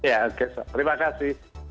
ya terima kasih